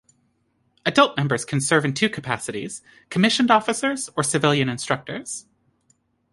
Adult members can serve in two capacities: commissioned officers or civilian instructors.